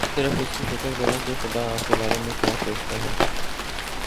صرف اس کی فکر کریں کہ خدا آپ کے بارے میں کیا سوچتا ہے۔